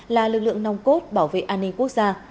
là lực lượng nòng cốt bảo vệ an ninh quốc gia